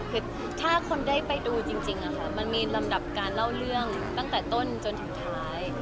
คือถ้าคนได้ไปดูจริงมันมีลำดับการเล่าเรื่องตั้งแต่ต้นจนถึงท้าย